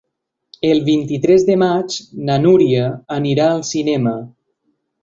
El vint-i-tres de maig na Núria anirà al cinema.